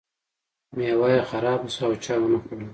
میوه یې خره شوه او چا ونه خوړه.